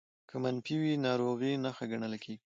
که منفي وي ناروغۍ نښه ګڼل کېږي